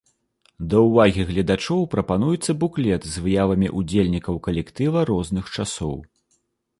Да ўвагі гледачоў прапануецца буклет з выявамі ўдзельнікаў калектыва розных часоў.